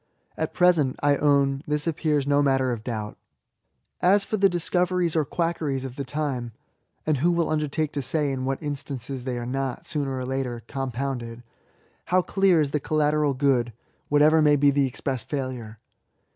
At present, I own, this appears no matter of doubt. As for the discoveries or quackeries of the time, (and who will undertake to say in what instances they are not, sooner or later, com pounded ?) how clear is the collateral good, what* ever may be the express fSdlure?